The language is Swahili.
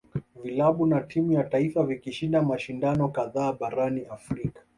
Vilabu na timu ya taifa vikishinda mashindano kadhaa barani Afrika